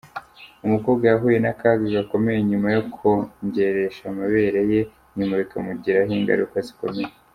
Umukobwa yahuye n’akaga gakomeye nyuma yo kongeresha amabere ye nyuma bikamugiraho ingaruka zikomeye .